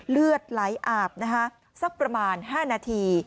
เลือดไหลอาบนะคะสักประมาณ๕นาที